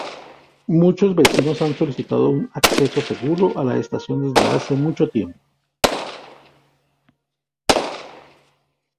Muchos vecinos han solicitado un acceso seguro a la estación desde hace mucho tiempo.